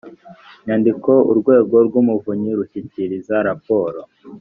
nyandiko urwego rw umuvunyi rushyikiriza raporo